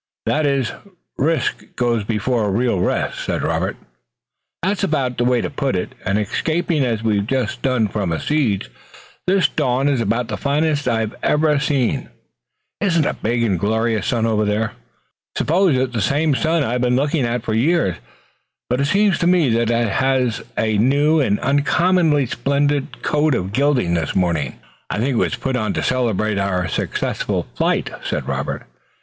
"That is, risk goes before real rest," said Robert. "That's about the way to put it, and escaping as we've just done from a siege, this dawn is about the finest I've ever seen. Isn't that a big and glorious sun over there? I suppose it's the same sun I've been looking at for years, but it seems to me that it has a new and uncommonly splendid coat of gilding this morning." "I think it was put on to celebrate our successful flight," said Robert.